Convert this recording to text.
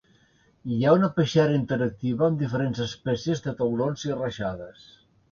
Hi ha una peixera interactiva amb diferents espècies de taurons i rajades.